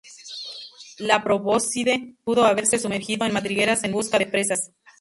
La probóscide pudo haberse sumergido en madrigueras en busca de presas.